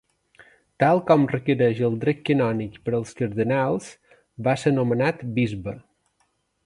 Tal com requereix el dret canònic per als cardenals, va ser nomenat bisbe.